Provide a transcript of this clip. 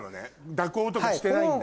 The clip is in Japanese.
蛇行とかしてないんだ。